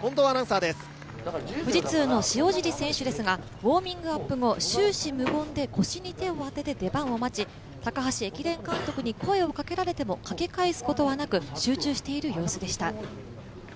富士通の塩尻選手ですが、ウォーミングアップ後終始無言で、腰に手を当てて出番を待ち高橋駅伝監督に声をかけられてもかけ返すことはなく、集中している様子でした。